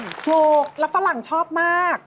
ถูกแล้วฝรั่งชอบมาก